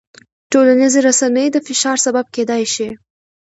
ټولنیزې رسنۍ د فشار سبب کېدای شي.